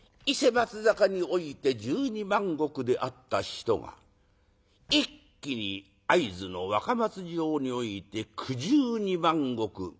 伊勢・松坂において１２万石であった人が一気に会津の若松城において９２万石。